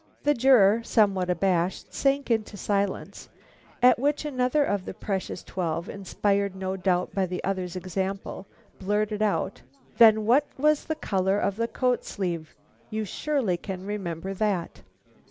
The juror, somewhat abashed, sank into silence, at which another of the precious twelve, inspired no doubt by the other's example, blurted out: "Then what was the color of the coat sleeve? You surely can remember that."